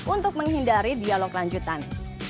untuk menghindari dialog lanjutan